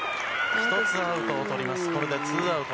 １つアウトをとります。